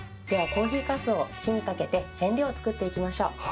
ではコーヒーかすを火にかけて染料を作っていきましょう。